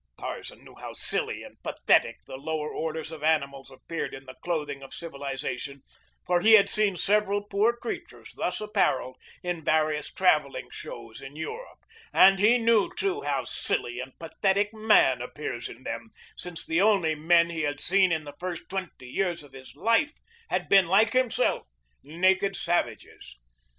Tarzan knew how silly and pathetic the lower orders of animals appeared in the clothing of civilization, for he had seen several poor creatures thus appareled in various traveling shows in Europe, and he knew, too, how silly and pathetic man appears in them since the only men he had seen in the first twenty years of his life had been, like himself, naked savages.